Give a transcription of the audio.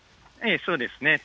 そうですね。